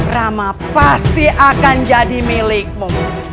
rama pasti akan jadi milikmu